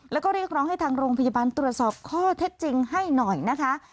แล้วก็เรียกร้องให้ทางโรงพยาบาลตรวจสอบข้อเท็จจริงให้หน่อยนะคะ